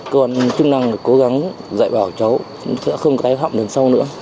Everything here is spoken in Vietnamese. cơ quan chức năng cố gắng dạy bảo cháu sẽ không có cái họng đến sau nữa